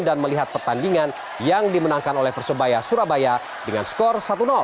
dan melihat pertandingan yang dimenangkan oleh persebaya surabaya dengan skor satu